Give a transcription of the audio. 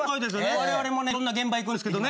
我々もいろんな現場行くんですけどね